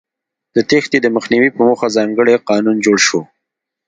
د تېښتې د مخنیوي په موخه ځانګړی قانون جوړ شو.